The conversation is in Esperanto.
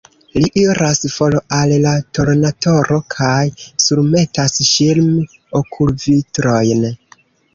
Li iras for al la tornatoro kaj surmetas ŝirm-okulvitrojn.